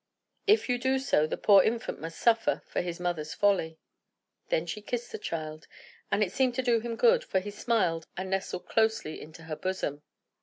If you do so, the poor infant must suffer for his mother's folly." Then she kissed the child, and it seemed to do him good; for he smiled and nestled closely into her bosom.